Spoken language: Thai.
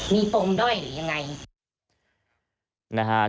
มีปมด้อยหรือยังไง